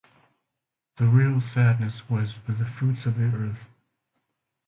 The real sadness was for the fruits of the earth.